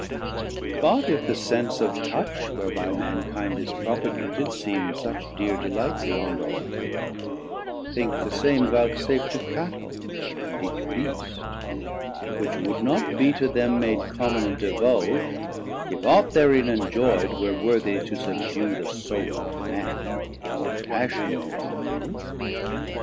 But if the sense of touch whereby mankind Is propagated seem such dear delight 580 Beyond all other, think the same voutsaf't To Cattel and each Beast; which would not be To them made common & divulg'd, if aught Therein enjoy'd were worthy to subdue The Soule of Man, or passion in him move.